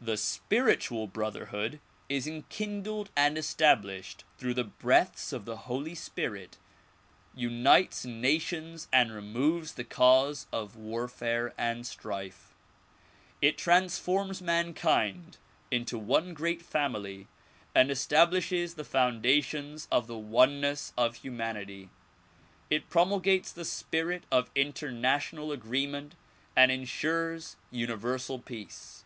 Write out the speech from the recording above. The spiritual brotherhood which DISCOURSES DELIVERED IN BOSTON 141 is enkindled and established through the breaths of the Holy Spirit unites nations and removes the cause of warfare and strife. It transforms mankind into one great family and establishes the foun dations of the oneness of humanity. It promulgates the spirit of international agreement and insures Universal Peace.